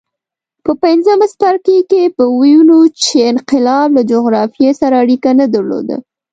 په پنځم څپرکي کې به ووینو چې انقلاب له جغرافیې سره اړیکه نه درلوده.